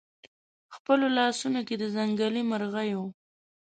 خپلو لاسونو کې د ځنګلي مرغیو